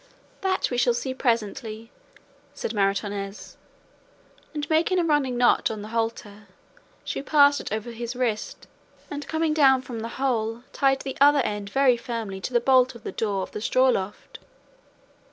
"That we shall see presently," said Maritornes, and making a running knot on the halter, she passed it over his wrist and coming down from the hole tied the other end very firmly to the bolt of the door of the straw loft.